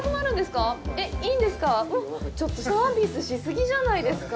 ちょっとサービスし過ぎじゃないですか。